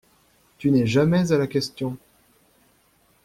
Tu n'es jamais à la question …